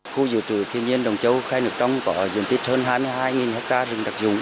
khu dự trữ thiên nhiên động châu khe nước đông có dân tích hơn hai mươi hai hectare rừng đặc dụng